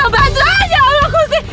bantuan ya allah kusih